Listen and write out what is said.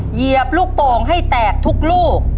เหยียบลูกโป่งให้แตกทุกลูก